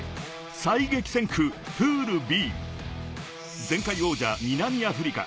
最激戦区プールＢ、前回王者・南アフリカ。